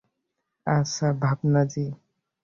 আচ্ছা, ভাবনা জি।